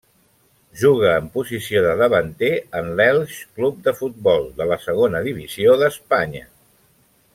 Juga en posició de davanter en l'Elx Club de Futbol de la Segona Divisió d'Espanya.